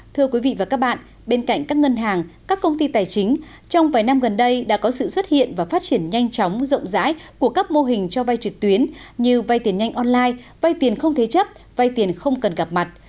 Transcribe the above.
thưa quý vị và các bạn bên cạnh các ngân hàng các công ty tài chính trong vài năm gần đây đã có sự xuất hiện và phát triển nhanh chóng rộng rãi của các mô hình cho vay trực tuyến như vay tiền nhanh online vay tiền không thế chấp vay tiền không cần gặp mặt